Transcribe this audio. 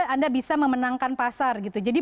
anda bisa memenangkan pasar gitu jadi